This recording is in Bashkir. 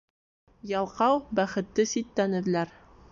Ялҡау бәхетте ситтән эҙләр.